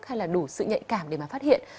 hay là đủ sự nhạy cảm để mà phát hiện